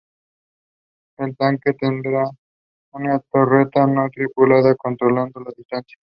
El tanque tendrá una torreta no tripulada, controlado a distancia.